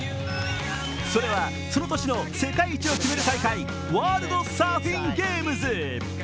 それは、その年の世界一を決める大会、ワールドサーフィンゲームズ。